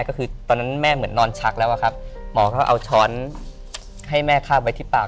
ก็คือตอนนั้นแม่เหมือนนอนชักแล้วอะครับหมอก็เอาช้อนให้แม่คาบไว้ที่ปาก